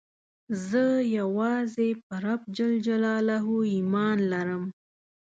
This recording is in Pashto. زه یوازي په رب ﷻ ایمان لرم.